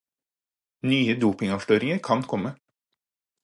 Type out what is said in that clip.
Nye dopingavsløringer kan komme.